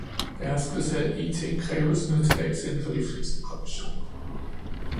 Beherskelse af it kræves nu til dags inden for de fleste professioner.